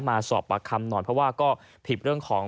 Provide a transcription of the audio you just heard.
มาสอบปากคำหน่อยเพราะว่าก็ผิดเรื่องของ